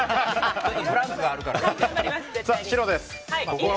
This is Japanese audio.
ブランクがあるから。